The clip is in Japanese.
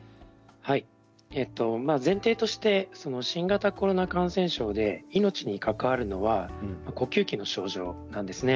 前提として新型コロナ感染症で命に関わるのは呼吸器の症状なんですね。